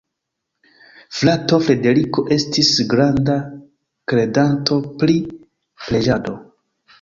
Frato Frederiko estis granda kredanto pri preĝado.